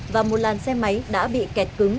và một làn xe máy đã bị kẹt cứng